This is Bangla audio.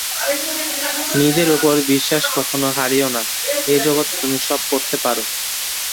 নিজের উপর বিশ্বাস কখনও হারিও না, এ জগতে তুমি সব করতে পার।